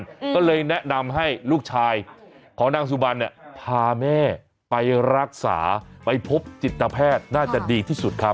ก็เลยแนะนำให้ลูกชายของนางสุบันเนี่ยพาแม่ไปรักษาไปพบจิตแพทย์น่าจะดีที่สุดครับ